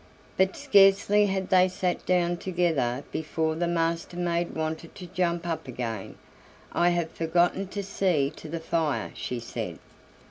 But scarcely had they sat down together before the Master maid wanted to jump up again. "I have forgotten to see to the fire," she said.